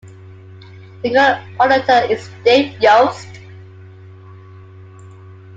The current Auditor is Dave Yost.